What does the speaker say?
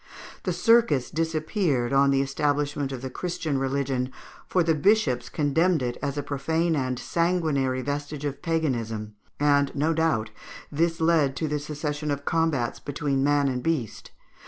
The circus disappeared on the establishment of the Christian religion, for the bishops condemned it as a profane and sanguinary vestige of Paganism, and, no doubt, this led to the cessation of combats between man and beast.